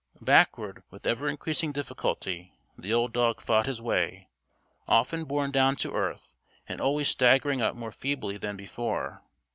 Backward, with ever increasing difficulty, the old dog fought his way, often borne down to earth and always staggering up more feebly than before.